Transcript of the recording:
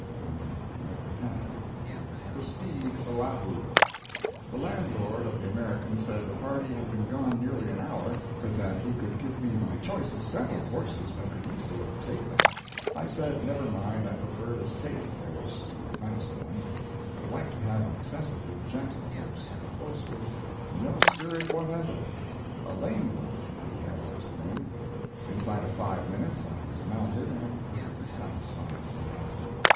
And I never had. THE STEED OAHU The landlord of the American said the party had been gone nearly an hour, but that he could give me my choice of several horses that could easily overtake them. I said, never mind—I preferred a safe horse to a fast one—I would like to have an excessively gentle horse—a horse with no spirit whatever—a lame one, if he had such a thing. Inside of five minutes I was mounted, and perfectly satisfied with my outfit.